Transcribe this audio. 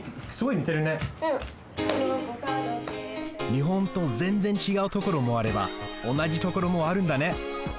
日本とぜんぜんちがうところもあればおなじところもあるんだね。